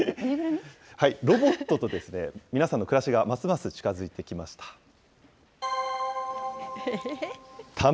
ロボットと皆さんの暮らしがますます近づいてきました。